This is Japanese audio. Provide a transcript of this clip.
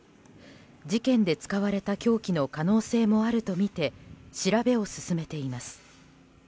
事件で使われた凶器の可能性もあるとみて調べを進めています。